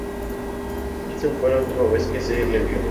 Ésta fue la última vez que se le vio.